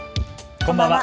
こんばんは。